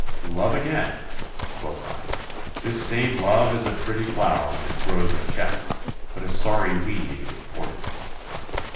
'Love again,' quoth I. 'This same love is a pretty flower when it grows unchecked, but a sorry weed if thwarted.